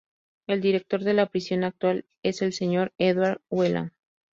El director de la prisión actual es el Sr. Edward Whelan.